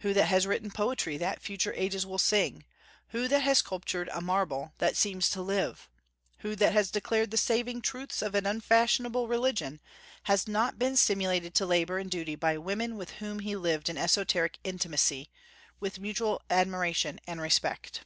Who that has written poetry that future ages will sing; who that has sculptured a marble that seems to live; who that has declared the saving truths of an unfashionable religion, has not been stimulated to labor and duty by women with whom he lived in esoteric intimacy, with mutual admiration and respect?